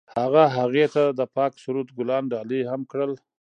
هغه هغې ته د پاک سرود ګلان ډالۍ هم کړل.